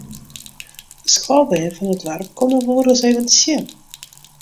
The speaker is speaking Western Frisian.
De skoalbern fan it doarp komme wolris even te sjen.